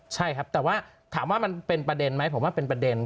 ใช่ครับแต่ว่าถามว่ามันเป็นประเด็นไหมผมว่าเป็นประเด็น